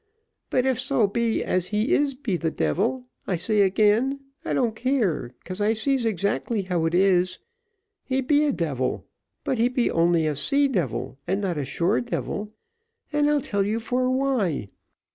But if so be as he is the devil, I say again, I don't care, 'cause I sees exactly how it is, he be a devil, but he be only a sea devil and not a shore devil, and I'll tell you for why.